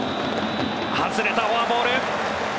外れた、フォアボール。